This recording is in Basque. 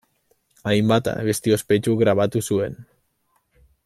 Hainbat abesti ospetsu grabatu zuen.